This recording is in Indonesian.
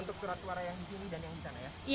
untuk surat suara yang disini dan yang disana ya